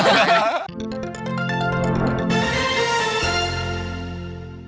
สวัสดีครับ